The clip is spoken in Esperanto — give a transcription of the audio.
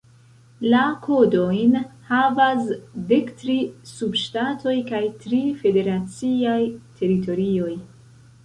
La kodojn havas dek tri subŝtatoj kaj tri federaciaj teritorioj.